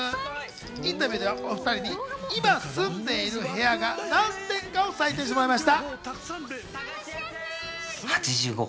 インタビューではお２人に今住んでいる部屋が何点かを採点してもらいました。